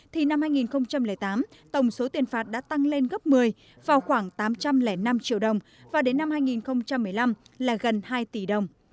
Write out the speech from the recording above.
thì năm hai nghìn tám tổng số tiền phạt đã tăng lên gấp một mươi vào khoảng tám trăm linh năm triệu đồng và đến năm hai nghìn một mươi năm là gần hai tỷ đồng